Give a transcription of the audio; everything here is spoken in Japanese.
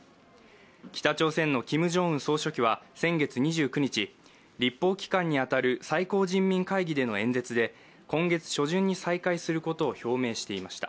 北朝鮮のキム・ジョンウン総書記は先月２９日、立法機関に当たる最高人民会議での演説で今月初旬に再開することを表明していました。